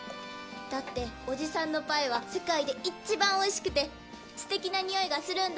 だっておじさんのパイは世界で一番おいしくてステキな匂いがするんだもん！